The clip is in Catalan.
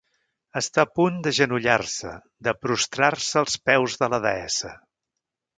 Està a punt d'agenollar-se, de prostrar-se als peus de la deessa.